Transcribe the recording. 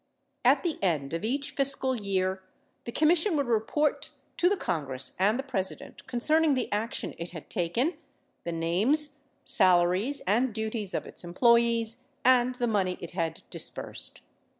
At the end of each fiscal year the Commission would report to the Congress and the President concerning the action it had taken, the names, salaries, and duties of its employees, and the money it had dis bursed.